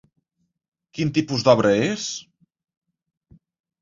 Quin tipus d'obra és?